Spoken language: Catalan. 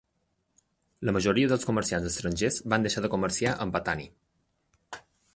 La majoria dels comerciants estrangers van deixar de comerciar amb Patani.